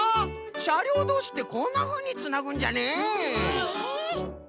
しゃりょうどうしってこんなふうにつなぐんじゃね。